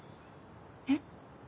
えっ？